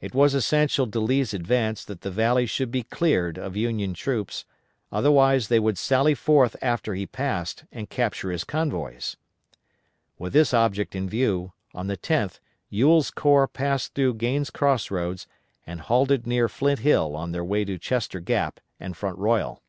It was essential to Lee's advance that the valley should be cleared of Union troops, otherwise they would sally forth after he passed and capture his convoys. With this object in view, on the 10th Ewell's corps passed through Gaines' Cross Roads, and halted near Flint Hill on their way to Chester Gap and Front Royal.